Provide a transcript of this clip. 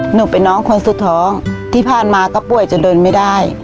หนูเป็นน้องคนสุดท้องที่ผ่านมาก็ป่วยจะเดินไม่ได้